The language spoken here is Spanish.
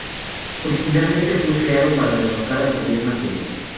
Originalmente fue creado para derrocar al gobierno anterior.